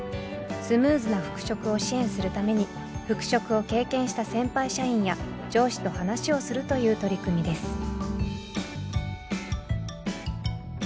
スムーズな復職を支援するために復職を経験した先輩社員や上司と話をするという取り組みです。